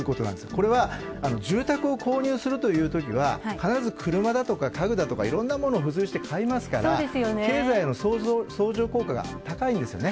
これは、住宅を購入するというときは、必ず車だとか家具だとかいろんなもの付随して買いますから、経済の相乗効果が高いんですよね。